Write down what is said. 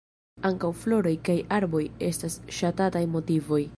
Ankaŭ floroj kaj arboj estas ŝatataj motivoj.